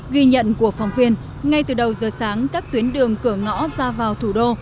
ghi nhận của phóng viên ngay từ đầu giờ sáng các tuyến đường cửa ngõ ra vào thủ đô